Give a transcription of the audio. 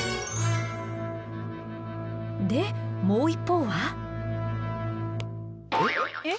でもう一方は。えっ？